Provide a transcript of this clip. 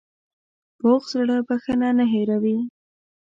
پوخ زړه بښنه نه هېروي